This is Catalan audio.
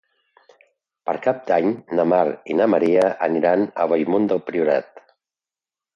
Per Cap d'Any na Mar i na Maria aniran a Bellmunt del Priorat.